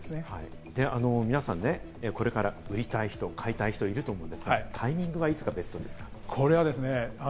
皆さん、これから売りたい人、買いたい人いると思いますが、タイミングはいつがベストですか？